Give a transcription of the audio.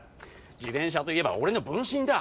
自転車といえば俺の分身だ。